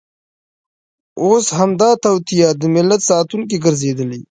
اوس همدا توطیه د ملت ساتونکې ګرځېدلې.